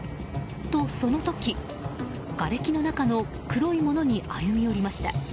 と、その時、がれきの中の黒いものに歩み寄りました。